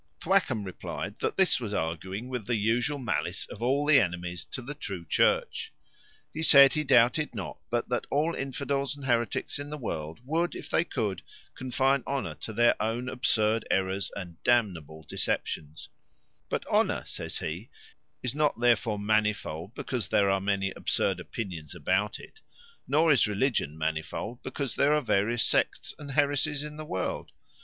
Thwackum replied, this was arguing with the usual malice of all the enemies to the true Church. He said, he doubted not but that all the infidels and hereticks in the world would, if they could, confine honour to their own absurd errors and damnable deceptions; "but honour," says he, "is not therefore manifold, because there are many absurd opinions about it; nor is religion manifold, because there are various sects and heresies in the world.